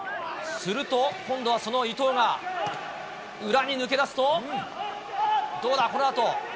すると、今度はその伊東が、裏に抜け出すと、どうだ、このあと。